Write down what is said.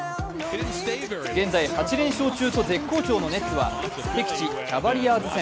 現在８連勝中と絶好調のネッツは、敵地キャバリアーズ戦。